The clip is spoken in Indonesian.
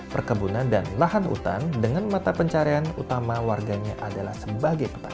perkebunan dan lahan hutan dengan mata pencarian utama warganya adalah sebagai petani